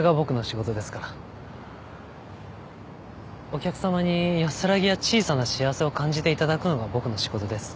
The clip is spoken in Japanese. お客様に安らぎや小さな幸せを感じていただくのが僕の仕事です。